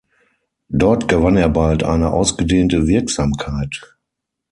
Dort gewann er bald eine ausgedehnte Wirksamkeit.